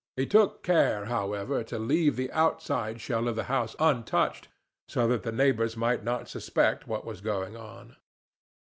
He took care, however, to leave the outside shell of the house untouched, so that the neighbors might not suspect what was going on.